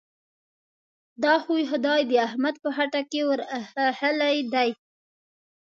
دا خوی؛ خدای د احمد په خټه کې ور اخښلی دی.